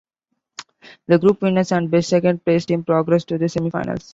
The group winners and best second place team progressed to the semi-finals.